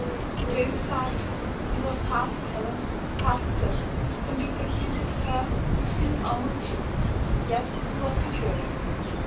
To those who liked her, it was partly talent, partly soul; something peculiar to her which seemed almost genius; yet it was perturbing.